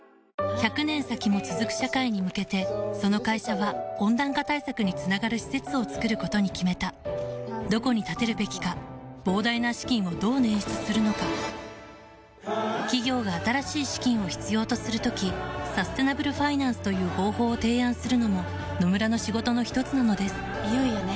１００年先も続く社会に向けてその会社は温暖化対策につながる施設を作ることに決めたどこに建てるべきか膨大な資金をどう捻出するのか企業が新しい資金を必要とする時サステナブルファイナンスという方法を提案するのも野村の仕事のひとつなのですいよいよね。